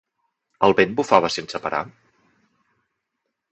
El vent bufava sense parar?